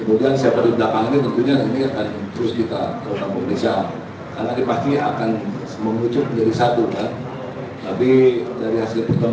maka perlu dilakukan ataupun diamatkan beberapa orang